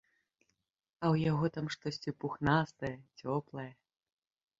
А ў яго там штосьці пухнастае, цёплае.